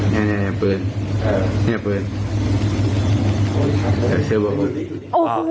เนี้ยเนี้ยเนี้ยเนี้ยก็เปินโอ้โหเข็ทเชื่อบอกรวม